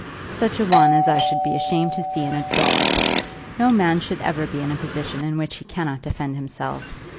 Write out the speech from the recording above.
"Such a one as I should be ashamed to see in a dog. No man should ever be in a position in which he cannot defend himself.